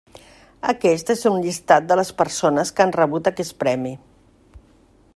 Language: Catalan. Aquest és un llistat de les persones que han rebut aquest premi.